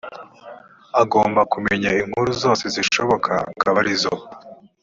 agomba kumenya inkuru zose zishoboka akaba arizo